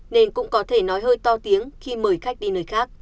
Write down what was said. nên cũng có thể nói hơi to tiếng khi mời khách đi nơi khác